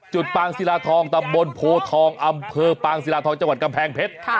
ปางศิลาทองตำบลโพทองอำเภอปางศิลาทองจังหวัดกำแพงเพชร